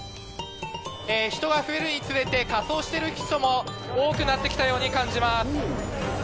人が増えるにつれて、仮装している人も多くなってきたように感じます。